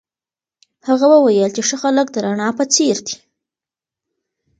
هغه وویل چي ښه خلک د رڼا په څېر دي.